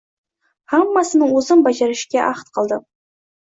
Hammasini o`zim bajarishga ahd qildim